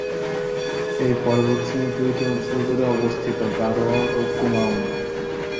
এই পর্বতশ্রেণী দুইটি অঞ্চল জুড়ে অবস্থিত: গাড়োয়াল ও কুমাউন।